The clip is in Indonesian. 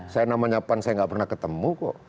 saya namanya pak sis saya tidak pernah ketemu kok